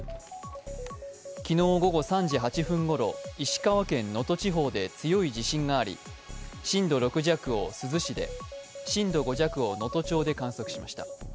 昨日午後３時８分ごろ、石川県・能登地方で強い地震があり震度６弱を珠洲市で、震度５弱を能登町で観測しました。